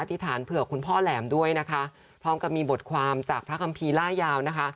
ธิษฐานเผื่อคุณพ่อแหลมด้วยนะคะพร้อมกับมีบทความจากพระคัมภีร์ล่ายาวนะคะ